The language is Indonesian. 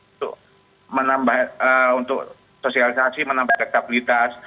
itu untuk sosialisasi menambah stabilitas